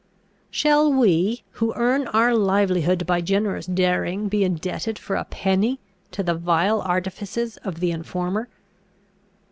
Shall we, who earn our livelihood by generous daring, be indebted for a penny to the vile artifices of the informer?